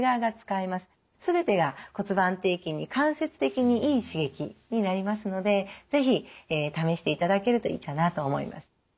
全てが骨盤底筋に間接的にいい刺激になりますので是非試していただけるといいかなと思います。